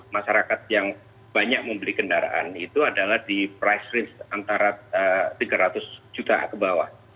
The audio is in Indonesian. masyarakat yang banyak membeli kendaraan itu adalah di price range antara tiga ratus juta ke bawah